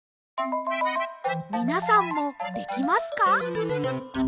みなさんもできますか？